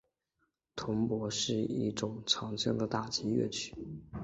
铜钹是一种常见的打击乐器。